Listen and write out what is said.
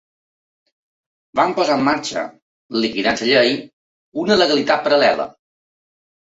Van posar en marxa, liquidant la llei, una legalitat paral·lela.